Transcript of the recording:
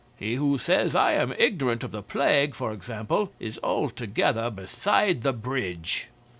He who says I am ignorant of the plague, for example, is altogether beside the bridge.